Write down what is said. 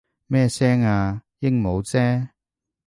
咩聲啊？鸚鵡啫